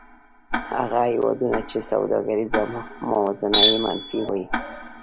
هغه هېوادونه چې سوداګریزه موازنه یې منفي وي